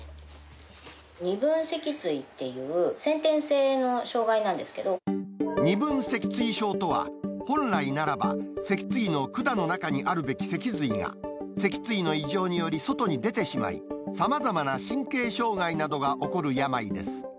二分脊椎っていう先天性の障二分脊椎症とは、本来ならば脊椎の管の中にあるべき脊髄が脊椎の異常により外に出てしまい、さまざまな神経障害などが起こる病です。